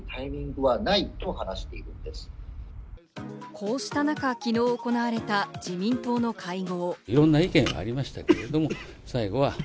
こうした中、昨日行われた自民党の会合。